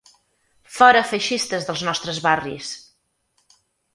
Fora feixistes dels nostres barris!